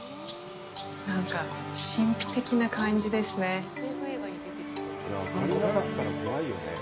なんか神秘的な感じですね。